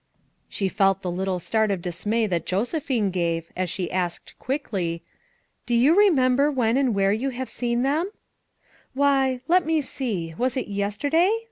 She felt the little start of dismay that Joseph ine gave as she asked quickly, "Do you re member when and where you have seen thcni?" "Why — let me see — was it yesterday?